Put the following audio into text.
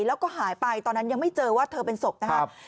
แล้วก็หายไปตอนนั้นยังไม่เจอว่าเธอเป็นศพนะครับ